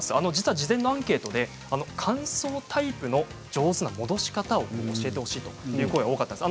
事前のアンケートで乾燥タイプの上手な戻し方を教えてほしいという声が多かったんです。